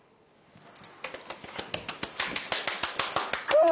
うわ！